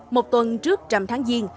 một tuần trước trầm tháng giêng